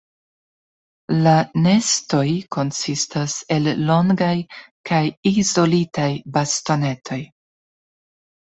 La nestoj konsistas el longaj kaj izolitaj bastonetoj.